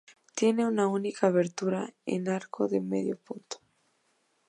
Tiene una única abertura en arco de medio punto.